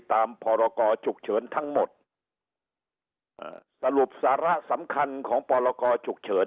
พรกรฉุกเฉินทั้งหมดสรุปสาระสำคัญของพรกรฉุกเฉิน